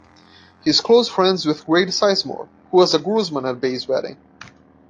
He is close friends with Grady Sizemore, who was a groomsman at Bay's wedding.